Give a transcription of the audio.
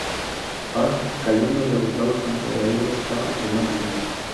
Park cayendo derrotados ante Aero Star y Máximo.